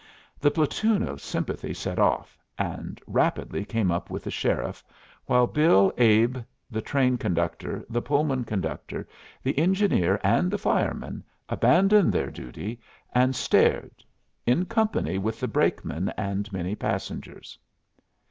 The platoon of sympathy set off, and rapidly came up with the sheriff, while Bill, Abe, the train conductor, the Pullman conductor, the engineer, and the fireman abandoned their duty, and stared, in company with the brakemen and many passengers.